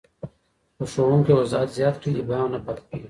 که ښوونکی وضاحت زیات کړي، ابهام نه پاته کېږي.